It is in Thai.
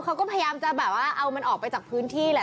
เขาก็พยายามจะแบบว่าเอามันออกไปจากพื้นที่แหละ